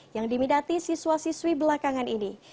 yang dimidati siswa siswi belakangan ini